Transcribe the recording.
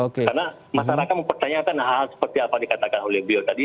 karena masyarakat mempertanyakan hal hal seperti apa dikatakan oleh beliau tadi